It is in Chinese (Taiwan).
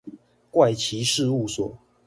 怪奇事物所